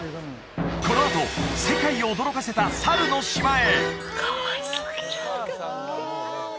このあと世界を驚かせた猿の島へ！